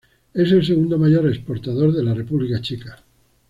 Es el segundo mayor exportador de la República Checa.